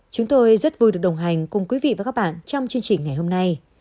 chúng tôi rất vui được đồng hành cùng quý vị và các bạn trong chương trình ngày hôm nay